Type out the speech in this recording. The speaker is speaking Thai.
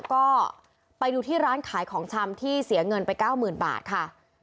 ก็ไปดูที่ร้านขายของชำที่เสียเงินไป๙๐๐๐บาทค่ะ